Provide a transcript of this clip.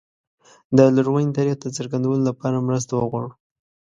د لرغوني تاریخ د څرګندولو لپاره مرسته وغواړو.